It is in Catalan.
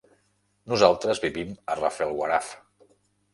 Nosaltres vivim a Rafelguaraf.